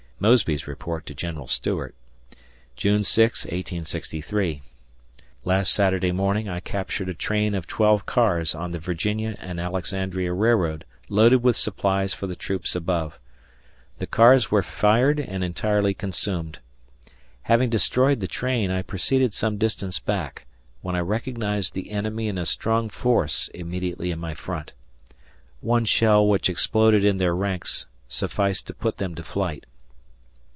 [Mosby's report to General Stuart] June 6, 1863. Last Saturday morning I captured a train of twelve cars on the Virginia and Alexandria Railroad loaded with supplies for the troops above. The cars were fired and entirely consumed. ... Having destroyed the train, I proceeded some distance back, when I recognized the enemy in a strong force immediately in my front. One shell which exploded in their ranks sufficed to put them to flight.